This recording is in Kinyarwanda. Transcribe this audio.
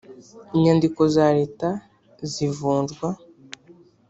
inyandiko za leta zivunjwa